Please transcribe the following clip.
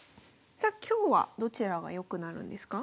さあ今日はどちらが良くなるんですか？